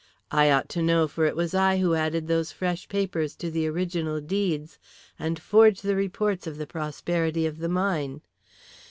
I ought to know, for it was I who added those fresh papers to the original deeds and forged those reports of the prosperity of the mine.